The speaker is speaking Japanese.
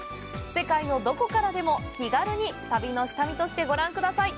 世界のどこからでも気軽に旅の下見としてご覧ください。